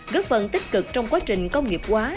góp phần tích cực trong quá trình công nghiệp hóa